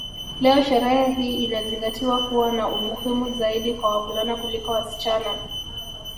Leo sherehe hii inazingatiwa kuwa na umuhimu zaidi kwa wavulana kuliko wasichana